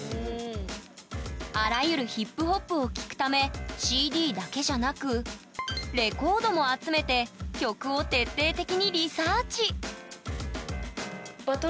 あらゆるヒップホップを聴くためＣＤだけじゃなくレコードも集めて曲を徹底的にリサーチ！